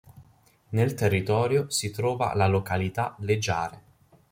Nel territorio si trova la località "Le Giare".